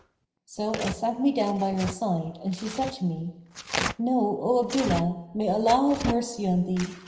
So I sat me down by her side and she said to me, 'Know, O Abdullah, (may Allah have mercy on thee!)